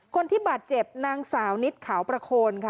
คนที่บาดเจ็บนางสาวนิดขาวประโคนค่ะ